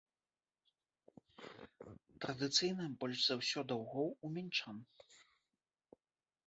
Традыцыйна больш за ўсё даўгоў у мінчан.